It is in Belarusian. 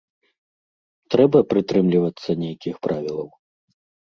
Трэба прытрымлівацца нейкіх правілаў?